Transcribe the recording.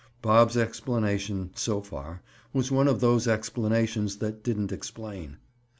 Bob's explanation, so far, was one of those explanations that didn't explain.